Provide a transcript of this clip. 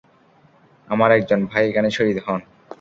আমার একজন ভাই এখানে শহীদ হন।